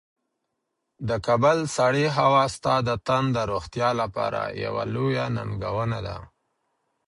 د کابل سړې هوا ستا د تن د روغتیا لپاره یوه لویه ننګونه ده.